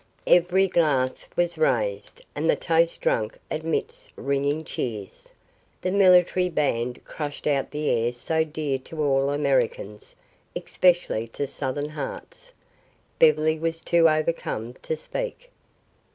Every glass was raised and the toast drunk amidst ringing cheers. The military band crashed out the air so dear to all Americans, especially to southern hearts. Beverly was too overcome to speak.